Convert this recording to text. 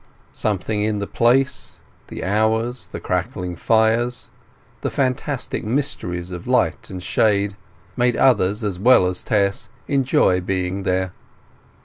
Something in the place, the hours, the crackling fires, the fantastic mysteries of light and shade, made others as well as Tess enjoy being there.